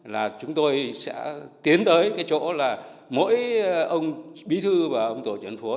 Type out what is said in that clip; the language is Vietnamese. là chúng tôi sẽ tiến tới cái chỗ là mỗi ông bí thư và ông tổ dân phố